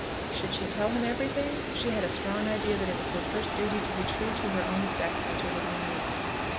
Should she tell him everything? She had a strong idea that it was her first duty to be true to her own sex and to her own niece.